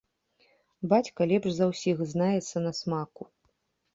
Бацька лепш за ўсіх знаецца на смаку.